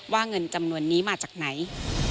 เงินจำนวนนี้มาจากไหน